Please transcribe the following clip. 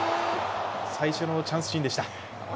最初のチャンスシーンでした。